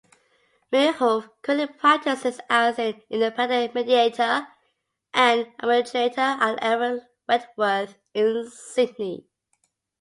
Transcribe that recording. McHugh currently practises as an independent mediator and arbitrator at Eleven Wentworth in Sydney.